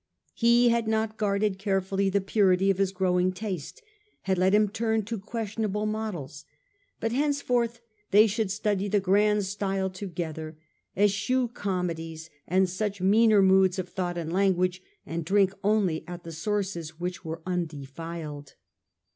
He had not guarded carefully the purity of his growing taste, had let him turn to ciuestion able models ; but henceforth they should study the grand style together, eschew comedies and such meaner moods of thought and language, and drink only at the sources which were undefiled.